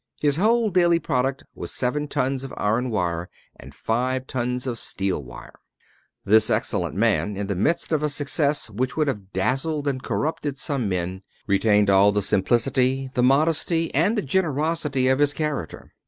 His whole daily product was seven tons of iron wire, and five tons of steel wire. This excellent man, in the midst of a success which would have dazzled and corrupted some men, retained all the simplicity, the modesty, and the generosity of his character.